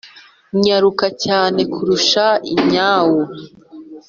nyaruka cyane kurusha inyawu